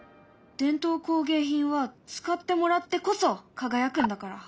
伝統工芸品は使ってもらってこそ輝くんだから！